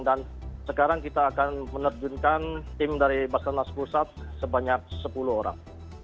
dan sekarang kita akan menerjunkan tim dari basar nas cilacap sebanyak sepuluh orang